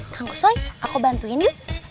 kang usah aku bantuin yuk